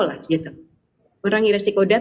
lah gitu mengurangi risiko dan